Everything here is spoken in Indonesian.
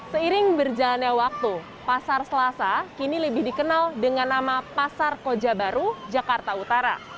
seiring berjalannya waktu pasar selasa kini lebih dikenal dengan nama pasar koja baru jakarta utara